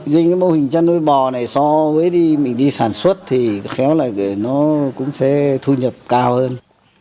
riêng cái mô hình chăn nuôi bò này so với đi mình đi sản xuất thì khéo lại nó cũng sẽ thu nhập cao hơn